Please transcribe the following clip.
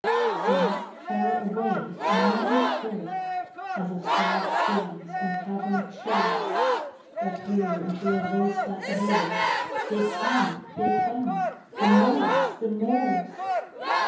Then far away a murmur trailed, As of sad seas on cavern'd shores, That grew into a voice that wailed, "They come! they come! the Moors! the Moors!"